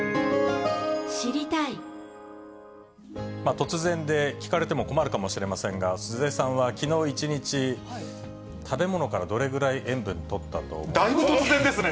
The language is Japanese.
突然で、聞かれても困るかもしれませんが、鈴江さんはきのう１日、食べ物からどれぐらい塩分とったと思いまだいぶ突然ですね。